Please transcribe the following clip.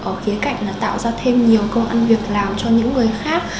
ở khía cạnh là tạo ra thêm nhiều công ăn việc làm cho những người khác